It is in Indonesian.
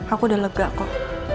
aku udah lega kok